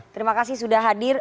terima kasih sudah hadir